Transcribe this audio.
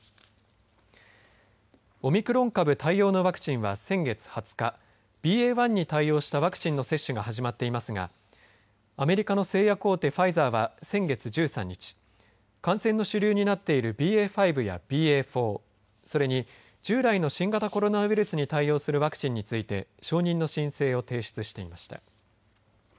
オミクロン株対応のワクチンは先月２０日ＢＡ．１に対応したワクチンの接種が始まっていますがアメリカの製薬大手ファイザーは先月１３日感染の主流になっているＢＡ．５やＢＡ．４それに、従来の新型コロナウイルスに対応するワクチンについて承認の申請を提出してました。